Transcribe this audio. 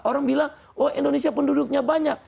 orang bilang oh indonesia penduduknya banyak